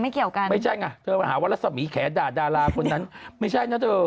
เกี่ยวกันไม่ใช่ไงเธอมาหาว่ารัศมีแขด่าดาราคนนั้นไม่ใช่นะเธอ